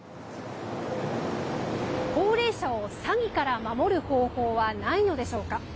高齢者を詐欺から守る方法はないのでしょうか。